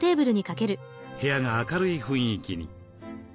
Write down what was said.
部屋が明るい雰囲気に。